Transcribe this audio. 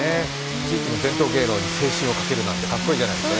地域の伝統芸能に青春をかけるなんてかっこいいじゃないですか。